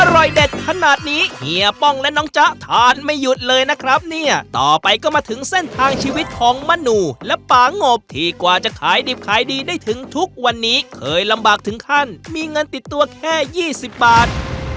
อร่อยเด็ดขนาดนี้เฮียป้องและน้องจ๊ะทานไม่หยุดเลยนะครับเนี่ยต่อไปก็มาถึงเส้นทางชีวิตของมนูและป่างบที่กว่าจะขายดิบขายดีได้ถึงทุกวันนี้เคยลำบากถึงขั้นมีเงินติดตัวแค่๒๐บาท